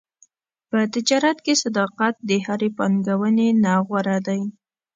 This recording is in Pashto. په تجارت کې صداقت د هرې پانګونې نه غوره دی.